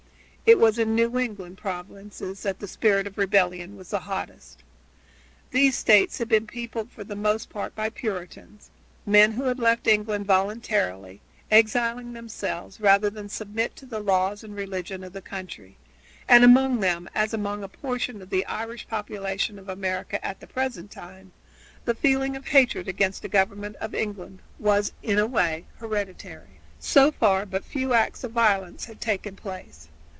It was in the New England provinces that the spirit of rebellion was hottest. These States had been peopled for the most part by Puritans men who had left England voluntarily, exiling themselves rather than submit to the laws and religion of the country, and among them, as among a portion of the Irish population of America at the present time, the feeling of hatred against the government of England was, in a way, hereditary. So far but few acts of violence had taken place.